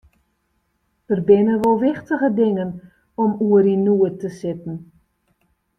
Der binne wol wichtiger dingen om oer yn noed te sitten.